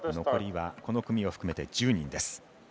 残りはこの組を含めて１０人です。